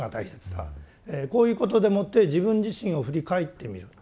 こういうことでもって自分自身を振り返ってみる。